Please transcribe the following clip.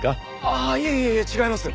あっいえいえ違います。